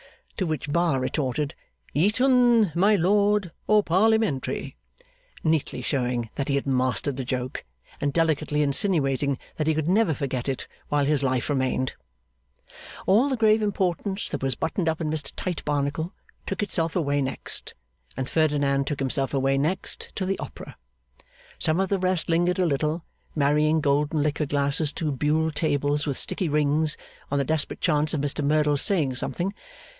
To which Bar retorted, 'Eton, my lord, or Parliamentary?' neatly showing that he had mastered the joke, and delicately insinuating that he could never forget it while his life remained. All the grave importance that was buttoned up in Mr Tite Barnacle, took itself away next; and Ferdinand took himself away next, to the opera. Some of the rest lingered a little, marrying golden liqueur glasses to Buhl tables with sticky rings; on the desperate chance of Mr Merdle's saying something.